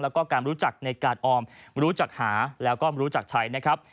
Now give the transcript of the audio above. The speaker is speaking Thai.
แล้วก็การรู้จักในการออมรู้จักหาแล้วก็รู้จักใช้นะครับ